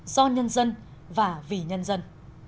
do nhân dân và vì nhân dân